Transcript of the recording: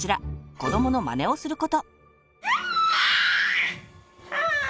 子どものまねをすること。